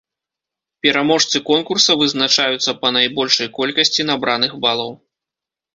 Пераможцы конкурса вызначаюцца па найбольшай колькасці набраных балаў.